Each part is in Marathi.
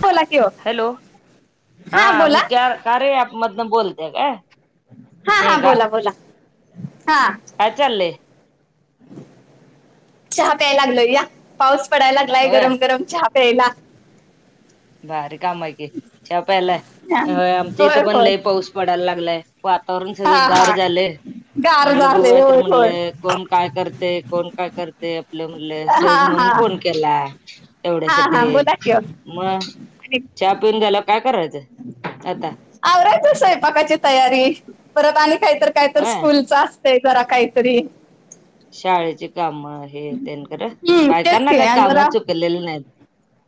बोला कि हो हॅलो हा मी कार्य ऍप मधन बोलते काय. हा हा मेघा बोला बोला हा काय चाललय. चहा प्याय लागलय या पाऊस पडायला लागलाय होय गरम गरम चहा प्यायला. भारी काम आहे की व प्यालाय हा. आमच्या होय इथं पण होय लय पाऊस पडायला लागलाय. वातावरण हा सगळं गार हा झाले गार म्हणटलं झाले बघूया तर होय होय म्हटले. कोण काय करते, कोण काय करते. ते आपलं म्हटलं हा सहज म्हणून हा फोन केला हा हा तेवढ्यासाठी बोला कि हो मग आणि हा पिऊन झाला काय करायचं आता, आवरायचं स्वयंपाकाची तयारी परत आणि काहीत काय तर होय स्कूलचा तरा कायतरी शाळेची कामं हे तेन खरं हम्म तेच बायकांना की काय आणि काम जरा चुकलेले नाहीत.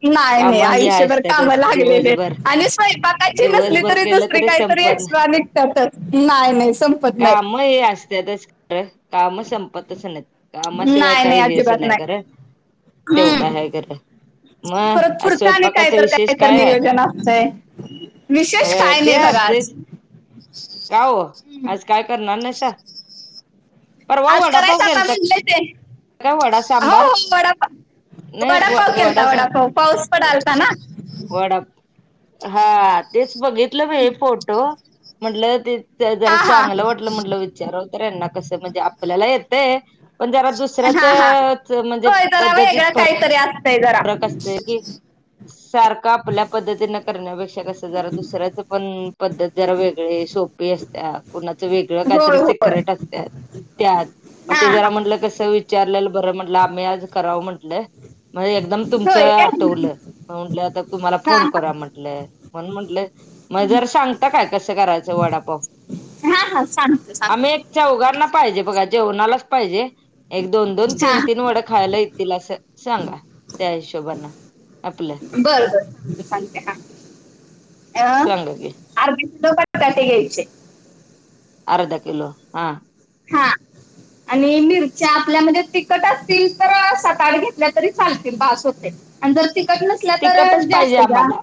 नाही काम नाय ही आयुष्यभर काम असतातच दिवसभर लागलेलेत आणि स्वयंपाकाची नसली दिवसभर तरी दुस केलं री काहीतरी संपत एक्स्ट्रा निघतातच नाय नाय संपत नाहीत. ये अस त्याजच ते काम संपतचं नाहीत कामाशिवाय नाही नाही काही हे असं अजिबात नाही खर तेवढा हाय हम्म खर मग परत आज पुढचं आणि काय स्वयंपाकाच तर विशेष तर काय आहे. नियोजन असतंय विशेष होय काय ते नाही बघा आज असतेच का हो आज काय करणार नाहीसा परवा वडापाव केलता. लय ते काय वडा हो सांबार हो वडापाव नाही व वडापाव वडा केलता सांब वडापाव पाऊस पण आलता ना वडा हा तेच बघितलं [unintelligible] फोटो म्हटलं ते ते जरा हा हा चांगलं वाटलं म्हटलं विचारव तर यांना कसं म्हणजे आपल्याला येतय पण जरा दुस दुसऱ्या हा च्या म्हणजे पद्धतीत फरकं तरी असतय जरा फरक असतय की सारखं आपल्या पद्धतीन करण्यापेक्षा कस जरा दुसऱ्या पण पद्धत जरा वेगळी सोपी असत्या कोणाच वेगळं होय काहीतरी होय सिक्रेट असत्यात त्यात म हा ते हा जरा म्हटलं कस विचारलेलं बरं म्हंटलं आम्ही आज करावं म्हटलं म एकदम तुमचं होय काय आठवलं म म्हटलं आता तुम्हाला हा फोन हा कराव म्हटलं म्हणून म्हटलं म जरा सांगता काय कसं करायचं वडापाव. हा हा सांगत सांग आम्ही एक चौघांना पाहिजे बघा जेवणालाच पाहिजे. एक दोन दोन हा तीन तीन वड खायला येतील असं सांगा. त्या हिशोबन आपल बरं बरं सांगते सांगते हा अ सांगा की अर्धा किलो बटाटे घ्यायचे. अर्धा किलो हा हा आणि मिरच्या आपल्या म्हणजे तिखट असतील तर सातआठ घेतल्या तरी चालतील बास होतय. आणि जर तिकट नस नसल्या तर तिखटच पाहिजे जास्त घ्या आम्हाला.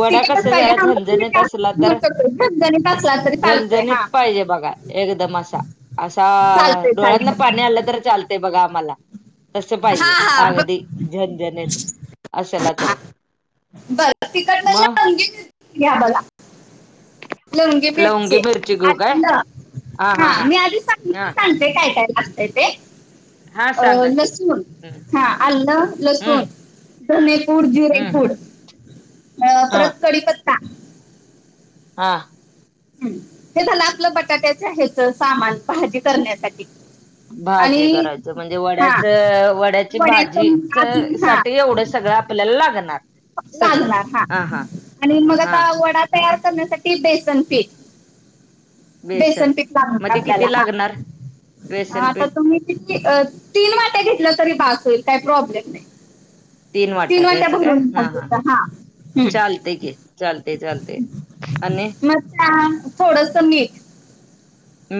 वडा तिखट कस चं पाहिजे जरा ना मं तुम्ही झणझणीत असला जास्त तो तर झणझणीत असला तरी चालतय झणझणीत हा पाहिजे बघा एकदम असा असा चालतंय डोळ्यातना चालतंय पाणी आलं तर चालतय बघा आम्हाला तस हा पाहिजे हा ब- अगदी झणझणीत असला तर बर तिकट मग लवगी मिरची घ्या बला लंवगी लवंगी मिरचे मिरची घेऊ काय आलं हा मी आधी हा सांगितली सांग ते काय काय लागतंय ते हा अ सांगा की लसूण हम्म हा अल्लं हम्म लसूण धनेपूड हम्म जिरेपूड अ हा परत कडीपत्ता हा हम् हे झालं आपलं बटाट्याच ह्याच सामान भाजी करण्यासाठी भाजी आणि करायचं म्हणजे हा वड्याच वड्याची भाजी वड्याचं चं अजून हा साठी एवढं सगळं आपल्याला लागणार. लागणार हा आणि मग हा आता वडा तयार करण्यासाठी बेसन पीठ बेसन पिठ मग लागणार ते आपल्याला किती हा लागणार आता बेसनपीठ तुम्ही किती तीन वाट्या घेतल्या तरी बास होईल काय प्रॉब्लेम नाय. तीन वाट्या घ्यायचं काय हा हा हं. चालतय की चालतय चालतय. म त्यात थोडस मीठ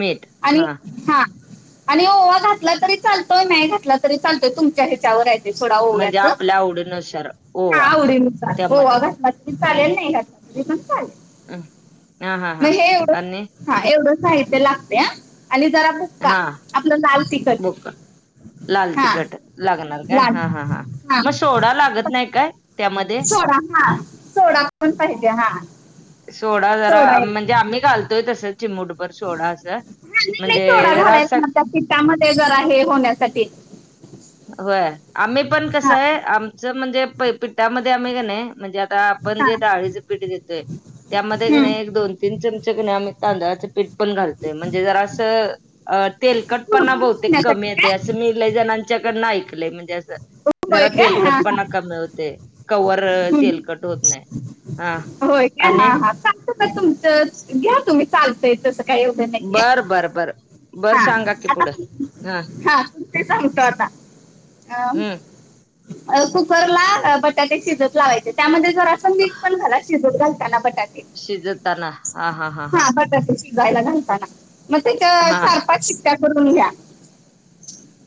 मीठ हा आणि हा आणि ओवा घातला तरी चालतोय नाही घातला तरी चालतोय तुमच्या ह्याच्यावर आहे थोडा म्हणजे ओव्याच आपल्या आवडीनुसार हा ओवा आवडी नूसार त्यामध्ये ओवा घातला चालेल नाही घातला त स काय [unintelligible] अं [unintelligible] मग हे एवढं हा एवढं साहित्य लागतया आणि जरा बुक्का हा आपलं लाल तिक बुका लाल तिखट लागणार काय लाल हा हा हां हा मग सोडा लागत नाही काय त्यामध्ये सोडा हा सोडा पण पाहिजे हा सोडा जरा म्हणजे आम्ही घालतोय तसं चिमुटभर सोडा अस हा नाही नाही म्हणजे सोडा जरा घालायला असं मग त्या पिठामधे त्यामध्ये जर आहे होण्यासाठी होय आम्ही पण हा कसंय आमचं म्हणजे पिठामध्ये आम्ही ग नाही म्हणजे आता आपण हा जे डाळीच पीठ घेतोय त्यामध्ये घेणे हम्म. एक दोन तीन चमचे घेणे आम्हि कनी तांदळाच पीठ पण घालतोय म्हणजे जरास तेलकट पणा कुरकुरीत बहुतेक होण्यासाठी कमी येते काय अस मी लयी जणांच्याकडं ऐकलंय म्हणजे असं जरा होय काय हा तेलकट हा पणा कमी होतय कवर हम्म. तेलकट होत नाही हां आणि तुमचंच घ्या तुम्ही चालतय तसं काही एवढं नाहीये बरं बरं बरं बरं हा सांगा की आता पुढं हा ते सांगतो आता अ हम्म अ कुकरला बटाटे शिजत लावायचे त्यामध्ये जरा असं मिठ पण घाला शिजत घालताना बटाटे शिजताना हा हा हा हा शिजायला घालताना मग त्याच्या हा चार पाच शिक््ट्या करून घ्या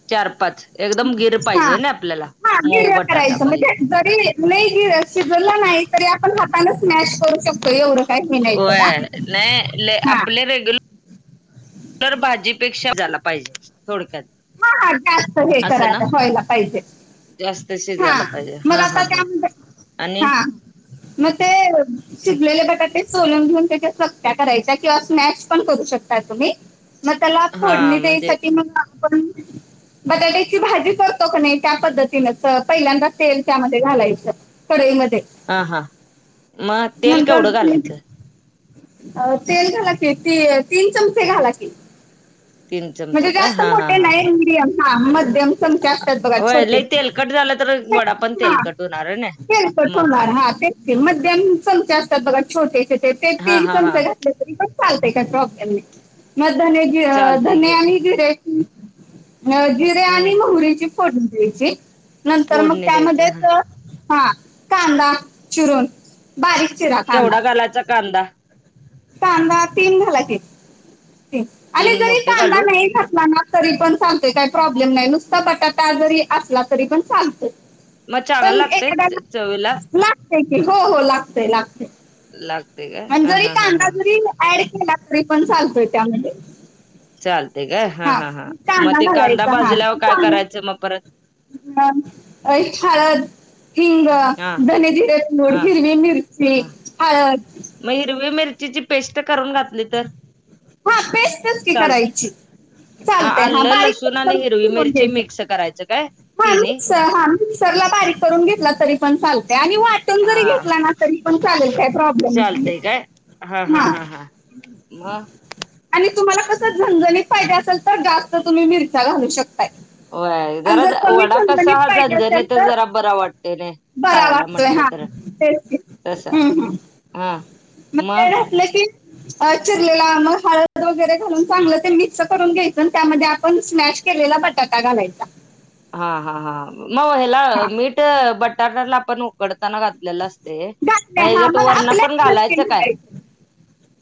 चार पाच एकदम गिर हा पाहिजे ना आपल्याला हा गिर मऊ बटाटा करायचं पाहिजे म्हणजे जरी नाही गिर शिजलं नाही तरी आपण हाताानच मॅश करू शकतो एवढं काही मी नाही थोडा होय नाही हा आपले रेगुल तर भाजीपेक्षा झाला पाहिजे थोडक्यात हा हा जास्त हे असं ना करायला व्हायला पाहिजे जास्त हा शिजायला पाहिजे मग हा हा आता हा त्यामध्ये आणि हा मग ते शिजलेले बटाटे सोलून घेऊन त्याच्या चक््या करायच्या किंवा स्मॅश पण करू शकता तुम्ही मग त्याला हा फोडणी म्हणजे त्यायसाठी मग आपण बटाट्याची भाजी करतो का नाही त्या पद्धतीनच पहिल्यांदा असेल त्यामध्ये घालायचं कढईमध्ये ह हां मग तेल नंतर केवढं तुम्ही, घालायचं अ तेल घाला की तीन चमचे घाला की तीन चमच म्हणजे का जास्त हा हा मोठे हा नाही मिडियम हा मध्यम चमचे असतात बघा छोटे झाल तर वडा पण हा तेलकट होणार ना तेलकट मग होणार तेच ते मध्यम चग असतात बघा छोटेचे ते तेच हा तीन हा हा चमचे घातले पण चालतय काय प्रब्लेम चालते घे नाही मग जिरे हम्म आणि मोहरीची फोडून घ्यायची नंतर मग फोडणी द्यायचं ह त्यामध्येच हा कांदा चिरून बारीक चिरा कांदा केवढा घालायचा कांदा कांदा तीन घाला तीन आणि तीन जरी मोठे कांदा घालू नाही घातला ना तरी पण सांगते काय प्रॉब्लेम नाही नुसता बटाटा जरी असला तरी पण सांगते मग चांग लागतय चवीला लागतेय की हो हो लागतेय लागते लागते का आणि हा जरी हा हा कांदा हा ह जरी ऍड केला तरी पण चालतोय त्यामध्ये चालते काय हा हा हां मग ते कांदा भाजल्यावर काय करायचं मग परत ह अ शारत हा किंगडम धनी दिर नोडी हा हिरवी मिरचीि हा हळ मग हिरवी मिरचीची पेस्ट करून घातली तर हा बेस्टच की चालत करायची मग चालतंय हा आलं बारीक लसूण आणि करून हिरवी फिरून मिरची घ्यायचं मिक्स करायच काय तिन हा मिक्सर ला बारीक करून घेतला तरी पण चालते आणि वा घ हा तण का् चालतय वा आणि तुम्हाला कसं झणझणीत फाये असेल तर जास्त तुम्ही मिरच्या घालू शकताय आणि होर जर कमी वडा कसा खणखणीत हा पाहिजे झझणी असेल तर जरा बरा वाटते न खायला म्हटलं तर तसा हम् हम हा मा की चिरलेला मग हळद वगैरे घालून चांगलं ते मिक्स करून घ्यायच त्या पण स्नॅश केलेला बटाटा घालायचा हा हा हां मग ह्याला हा मीठ बटाटाला आपण उकडताना घातलेलं असते घातले मग हा याच्यात वरण आपल्या पण नक्की घालायचं काय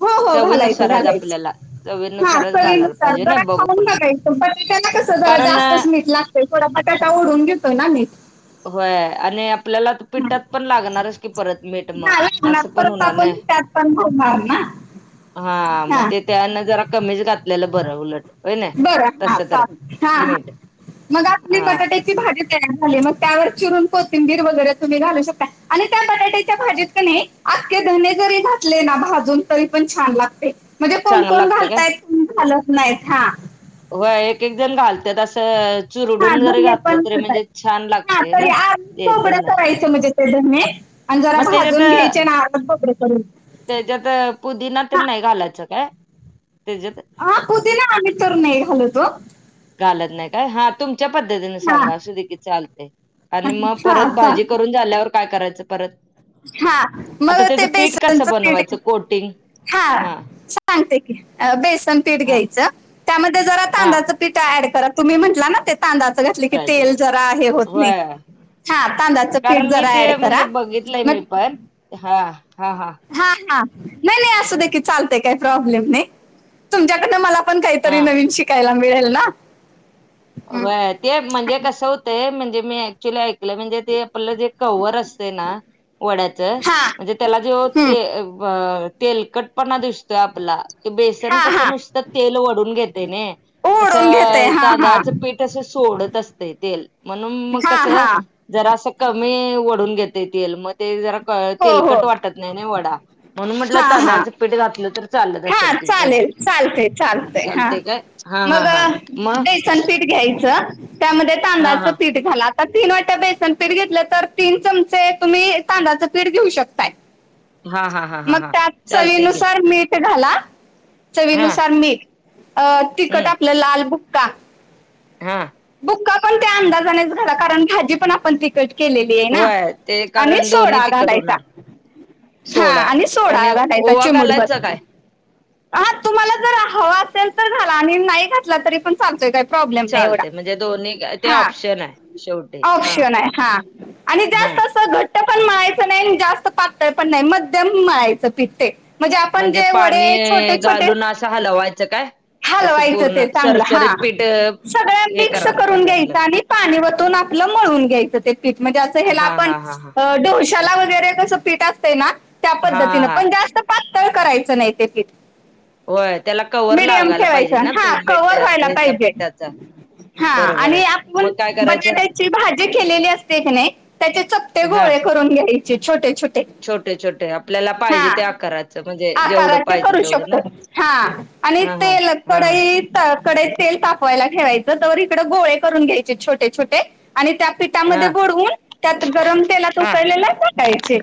हो हो घालायचं चवीनुसारच आपल्याला घालायचं चवीनुसारच घालायला पाहिजे ना बघून पटाट्याला कसं जरा जास्तच मीठ लागत थोडा पटाटा ओढून घेतो ना मीठ होय आणि आपल्याला हा पिठ्टात पण लागणारच की परत मीठ म हा लागणार असं पण परत होणार आपण न त्यात पण घालणार हा मग ते त्यान जरा कमीच घातलेलं बरं उलट होय ना बर हा तस तर हा हा मीठ मग प हा भाजी तयार झाली मग त्यावर चिरून कोथिंबीर वगैरे तुम्ही घालू शकता आणि त्या बटाट्याच्या भाजीत का नाही अखखे धने जरी घातले ना भाजून तरी पण छान लागते म्हणजे कोण चांगलं कोण लागते काय घालताय घालत नाहीत हा हो एक एक जण घालत तसं हा चुरडून जर धने घातलं पण तरी म्हणजे छान घालतायत लागत ना ते धन जे आणि जरा मग त्याच्यात भाजून घ्यायचे ना आ बडे करून त्याच्यात पुदीना तर हा नाही घालायचं काय त्याच्यात हा कुती ना आम्ही तर नाही घालतो घालत नाही काय हात तुमच्या पद्तीन हा सांगा हा लगत चालतंय. भाजीून काय करायचं परत हा आता मग ते त्याचं पीठ कसं बेसनच पीठ बनवायचं कोटिंग हा छांगते की बेसन पीठ हा घ्यायचं त्यामध्ये जरा हा कांददाचं पिठा ऍड करा तुम्ही म्हटला ना ते तांददाच घातलं की करायचं तेल जरा आहे होत नाही होय हा तांद्याचं पीठ जरा ऍड करा मग प हा हा हा हा हा नाही नाही असं देखील चालतय काही प्रॉब्लेम नाही तुमच्याकडे मला आपण काहीतरी हा नवीन शिकायला मिळेल ना हम्म. वय ते म्हणजे कसं होतंय म्हणजे मी ऍक्च्युली ऐकलं म्हणजे ते आपलं जे क्हवर असते ना वड्याच हा म्हणजे त्याला जे हम्म. ते तेलकटपणा दिसतोय आपला ते बेसन हा कसं हा नुसतं तेल वढून घेते ना ओढून घेते तसं हा हा तांदळाच पीठ अस सोडत असते तेल म्हणून मग हा हा कसं जरा असं कमी वओढून घेतता येल मग ते ज हो हो तेलकट वाटत नाही वडा म्हणून म्हटलं हा हा तांदळाचं पीठ घातलं तर चालत असेल हा की त्याला चालेल चालतय चालत हा चालते काय हा मग हा हा मग बेसन पीठ घ्यायचं त्यामध्ये हा तांदळाचं हा पीठ झा आता तीन वाट्या बेसन पीठ घेतलं तर तीन चमचे तुम्ही तांदाचं पीठ घेऊ शकताय [inaudible] हा हा हा मग हा त्या चालते की चलीनुसार मी ला हा चवीनुसार मीठ तिकट हम्म आपलं लाल बुक्का हा कक्का पण त्या अंदाजानेच घ कारण भाजी पण आपण तिकट केले होय ते आणि कारण दोन्ही सोडा तिकट घालायचा होणार हा सोडा आणि सोडा राय ओवा त्याचे मुडभर घालायचा काय हा तुम्हाला जर हवा असेल तर झाला आणि नाही घातला तरी पण सांगतोय काय प्रॉब्लेम नाही एवढा चालते म्हणजे दोन्ही काय ते हा ऑप्शन आहे शेवटी हा पशन आहे हा आणि हा जास्त अस प पण माळाचं नाही जास्त पातळ पण नाही मध्यम माळायचं पितते म्हणजे आपण जे पाणी वडे छोटे छोटे घालून असा हलवायचं काय असं हलवायचं पूर्ण ते चांगलं हा सरसरीत पीठ अ, सगळ्या हे मिक्स करायला करून पाहिजे घ्यायचं आपल्याला आणि पाणी वतून आपलं मळून घ्यायचं ते पठ म्हणजे असं ह हा आपण हा हा हा ढशाला वगैरे कस पीठ असते ना त्या पद्धतीन हा पण जास्त पातळ करायचं नाही होय त्याला कवर मडयम लागायला पाहिजे ठेवायचा ना हा पे- मेट कवर व्हायला ह्याचा पाहिजे पिठाचा हा बरोबर आणि आहे आपण मग काय करायचं बटाट्याची भाजी केलेली असते एक नाही त्याचे चपते हा गोळे करून घ्यायचे छोटे छोटे छोटे छोटे आपल्याला हा पाहिजे ते आकारात आकाराचे करू शकतो हा आणि हा हा तेल हा कढईत कडे तेल तापवायला ठेवायचं तर इकड गोळे करून घ्यायचे छोटे छोटे आणि त्या हा पिठामध्ये बुडवून त्यात गरम तेलात हा उकळलेले टाकायचे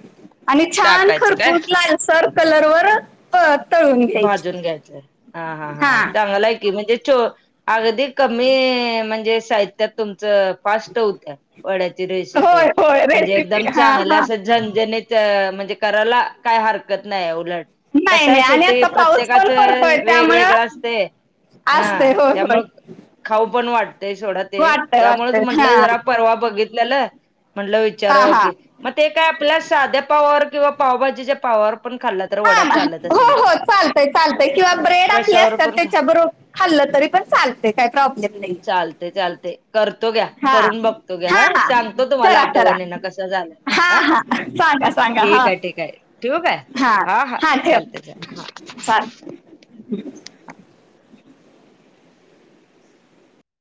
आणि छान टाकायचं काय खरपूर लालसर कलर वर तळून घ्यायचे भाजून घ्यायचंय हा हा हां चांग आहे कि म्हणजे चो अगदी कमी म्हणजे साहित्यात तुमचं फास्ट होत वड्याची रेसिपी होय होय म्हणजे रेसिपी एकदम हा चांग हा झनझनेच म्हणजे करायला काय हरकत नाही उलट नाही कसं नाही आहे आणि आ शेवटी प्रत्येकाच वेगवेगळ असतेय हा असतंय होय होय त्यामुळे खाऊ पण वाटतय सोडा ते वाटतंय त्यामुळेच वाटतंय म्हंटलं हां जरा परवा बघित आपल्याला म्हटलं विचारा हां कि मग ते काय आपल्या साध्या पावावर किंवा पावभाजीच्या पावावर पण खाल्ला तर वडा चालत असेल की चालत किंवा ब्रेड आपले कशावर असतात पण त्याच्याबरोबर खाल्लं तरी पण चालत काही प्रॉब्लेम नाही. ते चालते. करतो घ्या करून हां बघतो घ्या हां ह हां सांगतो तुम्हाला करा करा आठवणी ना कस झालेला हा हां हां सांगा सांगा ठीक हां आहे ठीक आहे ठेवू काय हा हा चालत. चल.